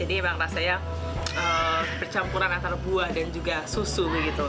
jadi memang rasanya percampuran antara buah dan juga susu